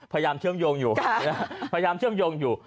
พยายามเชื่อมโยงอยู่